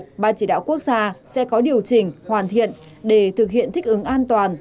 ban chỉ đạo quốc gia sẽ có điều chỉnh hoàn thiện để thực hiện thích ứng an toàn